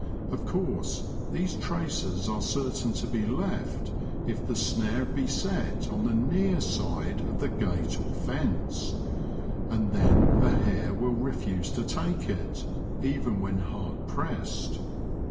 Of course these traces are certain to be left if the snare be set on the near side of the gate or fence, and then a hare will refuse to take it, even when hard pressed.